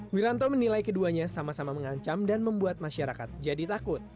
wiranto menilai keduanya sama sama mengancam dan membuat masyarakat jadi takut